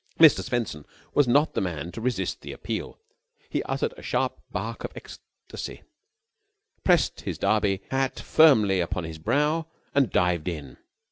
Mr. Swenson was not the man to resist the appeal. He uttered a sharp bark of ecstasy, pressed his Derby hat firmly upon his brow and dived in.